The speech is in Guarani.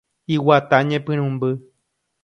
Iguata ñepyrũmby.